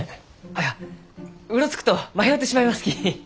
いやうろつくと迷うてしまいますき。